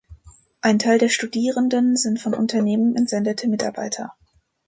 Ein Teil der Studierenden sind von Unternehmen entsendete Mitarbeiter.